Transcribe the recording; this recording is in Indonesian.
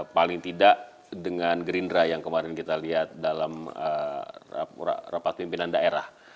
paling tidak dengan gerindra yang kemarin kita lihat dalam rapat pimpinan daerah